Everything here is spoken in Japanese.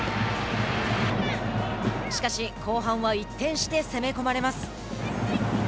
しかし、後半は一転して攻め込まれます。